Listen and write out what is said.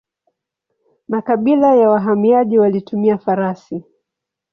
Makabila ya wahamiaji walitumia farasi.